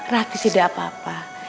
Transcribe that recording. ratih tidak apa apa